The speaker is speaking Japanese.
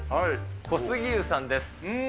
小杉湯さんです。